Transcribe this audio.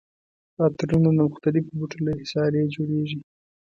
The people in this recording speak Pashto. عطرونه د مختلفو بوټو له عصارې جوړیږي.